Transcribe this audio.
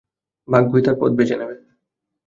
ভাগ্যই তার পথ বেছে নেবে।